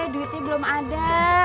duitnya belum ada